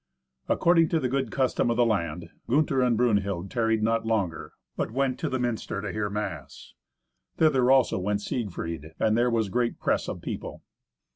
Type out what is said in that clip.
According to the good custom of the land, Gunther and Brunhild tarried not longer, but went to the minster to hear mass. Thither also went Siegfried, and there was great press of people.